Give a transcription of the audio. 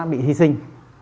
bị hy sinh